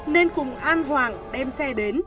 nên cùng an hoàng đem xe đến